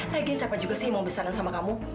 lagian siapa juga sih yang mau besanan sama kamu